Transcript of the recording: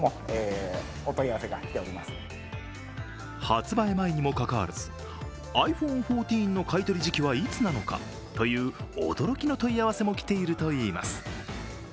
発売前にもかかわらずｉＰｈｏｎｅ１４の買い取り時期はいつなのかという驚きの問い合わせも来ているといいます。